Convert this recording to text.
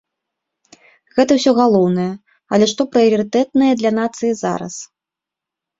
Гэта ўсё галоўнае, але што прыярытэтнае для нацыі зараз?